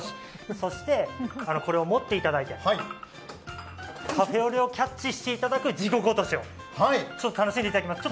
そしてこれを持っていただいて、カフェオレをキャッチしていただく地獄落としをちょっと楽しんでいただきます。